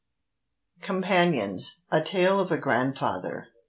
COMPANIONS. A TALE OF A GRANDFATHER.